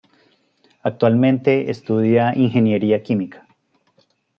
Actualmente estudia Ingeniería Química.